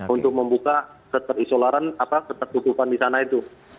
untuk membuka keterisolaran apa keterkutukan disana itu